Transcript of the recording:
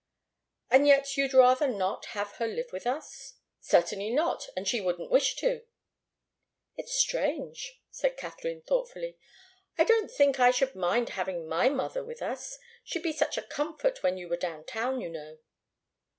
"And yet you'd rather not have her live with us?" "Certainly not. And she wouldn't wish to." "It's strange," said Katharine, thoughtfully. "I don't think I should mind having my mother with us. She'd be such a comfort when you were down town, you know."